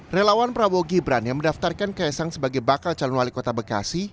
relawan prabowo gibran yang mendaftarkan kaisang sebagai bakal calon wali kota bekasi